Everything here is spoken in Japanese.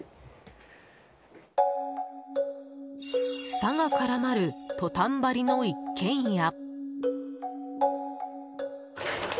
ツタが絡まるトタン張りの一軒家。